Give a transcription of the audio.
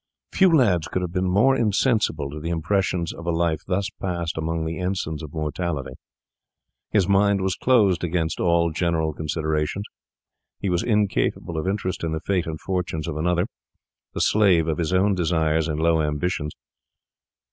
Few lads could have been more insensible to the impressions of a life thus passed among the ensigns of mortality. His mind was closed against all general considerations. He was incapable of interest in the fate and fortunes of another, the slave of his own desires and low ambitions.